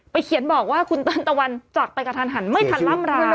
เขียนบอกว่าคุณเติ้ลตะวันจักรไปกระทันหันไม่ทันล่ำราว